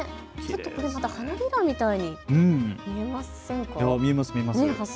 花びらみたいに見えませんか。